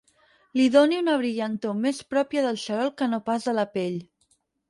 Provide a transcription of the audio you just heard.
Li doni una brillantor més pròpia del xarol que no pas de la pell.